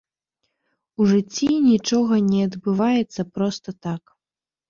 У жыцці нічога не адбываецца проста так.